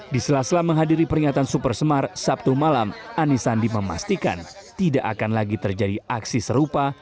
di sela sela menghadiri peringatan super semar sabtu malam anies sandi memastikan tidak akan lagi terjadi aksi serupa